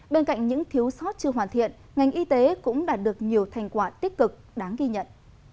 bên cạnh những thiếu sót chưa hoàn thiện ngành y tế cũng đạt được nhiều thành quả tích cực đáng ghi nhận